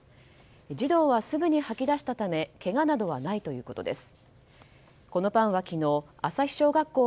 児童は、すぐに吐き出したためけがなどはないということです。